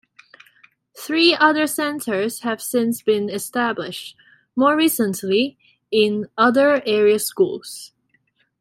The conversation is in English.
Three other centers have since been established, more recently, in other area schools.